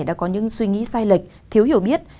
đã có những suy nghĩ sai lệch thiếu hiểu biết